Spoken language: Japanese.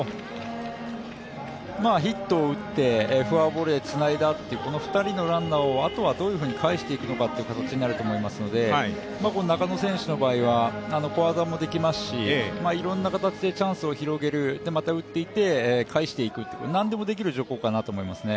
ヒットを打ってフォアボールでつないだというこの２人のランナーをあとはどういうふうに返していくのかという形になると思いますので中野選手の場合は小技もできますし、いろんな形でチャンスを広げる、また打っていって帰していく、何でもできる状況かなと思いますね。